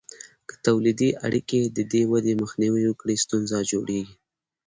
که تولیدي اړیکې د دې ودې مخنیوی وکړي، ستونزه جوړیږي.